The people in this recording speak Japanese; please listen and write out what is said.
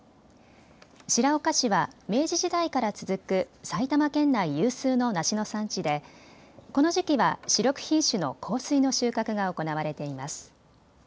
白岡市は明治時代から続く埼玉県内有数の梨の産地でこの時期は主力品種の幸水の収穫が行われています。